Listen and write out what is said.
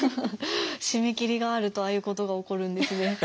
締め切りがあるとああいうことが起こるんですね。